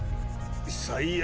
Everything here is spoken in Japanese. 最悪。